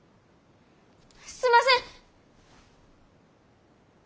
すんません！